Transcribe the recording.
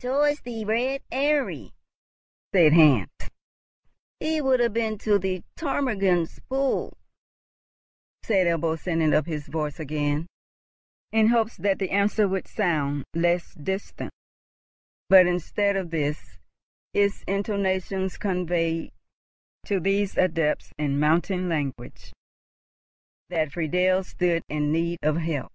"Towards the Red Eyrie," said Hans. "He will have been to the Ptarmigan's Pool," said Ebbo, sending up his voice again, in hopes that the answer would sound less distant; but, instead of this, its intonations conveyed, to these adepts in mountain language, that Friedel stood in need of help.